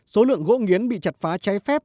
số lượng gỗ nghiến bị chặt phá cháy phép